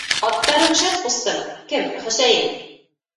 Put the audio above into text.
Аттарың шәп, ҡустым, кем, Хөсәйен.